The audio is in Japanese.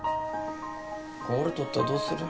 これ折れとったらどうする？